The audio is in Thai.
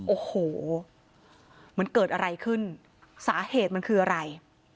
โอ้โหมันเกิดอะไรขึ้นสาเหตุมันคืออะไร